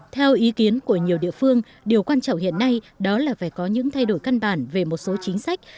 theo ý kiến của nhiều địa phương điều quan trọng hiện nay đó là phải có những thay đổi căn bản về một số chính sách